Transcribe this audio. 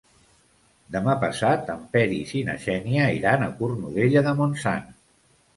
Demà passat en Peris i na Xènia iran a Cornudella de Montsant.